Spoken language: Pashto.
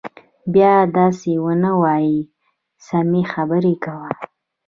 بيا دسې ونه وايي سمې خبرې کوه.